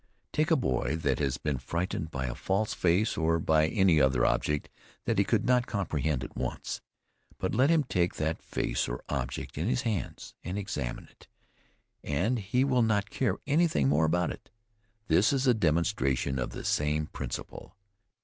Take a boy that has been frightened by a false face or any other object that he could not comprehend at once; but let him take that face or object in his hands and examine it, and he will not care anything more about it. This is a demonstration of the same principle.